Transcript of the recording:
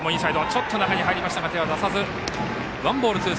ちょっと中に入りましたが手は出さず。